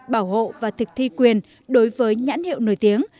bảo hộ và thực thi quyền đối với nhãn hiệu nổi tiếng